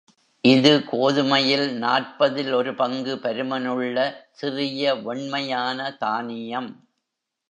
இது கோதுமையில் நாற்பதில் ஒரு பங்கு பருமனுள்ள, சிறிய வெண்மையான தானியம்.